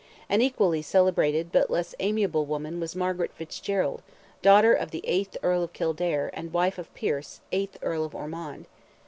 An equally celebrated but less amiable woman was Margaret Fitzgerald, daughter of the eighth Earl of Kildare, and wife of Pierce, eighth Earl of Ormond.